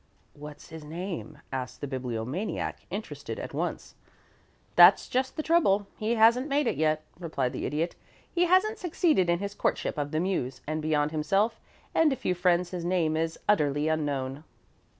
"What's his name?" asked the Bibliomaniac, interested at once. "That's just the trouble. He hasn't made it yet," replied the Idiot. "He hasn't succeeded in his courtship of the Muse, and beyond himself and a few friends his name is utterly unknown."